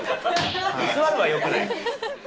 「居座る」はよくない。